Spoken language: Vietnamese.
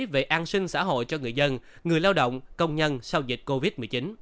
về an sinh xã hội cho người dân người lao động công nhân sau dịch covid một mươi chín